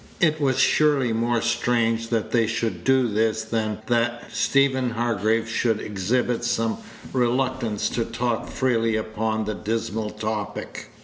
It was surely more strange that they should do this than that Stephen Hargraves should exhibit some reluctance to talk freely upon the dismal topic.